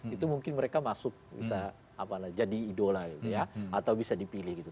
itu mungkin mereka masuk bisa jadi idola gitu ya atau bisa dipilih gitu